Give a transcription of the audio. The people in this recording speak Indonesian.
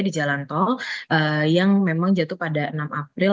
di jalan tol yang memang jatuh pada enam april